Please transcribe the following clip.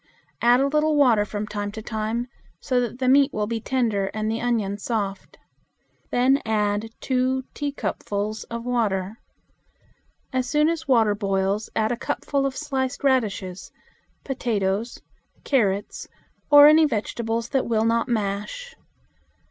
Add a little water from time to time, so that the meat will be tender and the onions soft. Then add two teacupfuls of water. As soon as water boils add a cupful of sliced radishes, potatoes, carrots, or any vegetables that will not mash.